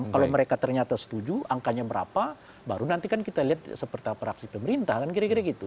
kalau mereka ternyata setuju angkanya berapa baru nanti kan kita lihat seperti apa reaksi pemerintah kan kira kira gitu